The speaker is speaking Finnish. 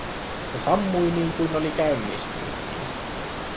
Se sammui niin kuin oli käynnistynytkin.